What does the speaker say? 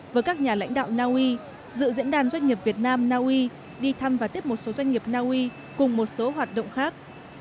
với các nhà lãnh đạo naui dự diễn đàn doanh nghiệp việt nam naui đi thăm và tiếp một số doanh nghiệp naui cùng một số hoạt động khác